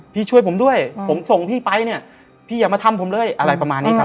ช่วยผมด้วยผมส่งพี่ไปเนี่ยพี่อย่ามาทำผมเลยอะไรประมาณนี้ครับ